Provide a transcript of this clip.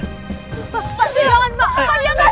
pak jangan pak